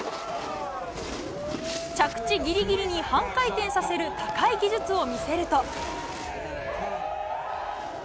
着地ギリギリに半回転させる高い技術を見せると。